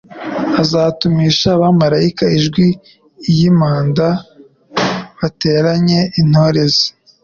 Azatumisha abamaraika ijwi iy'impanda bateranye intore ze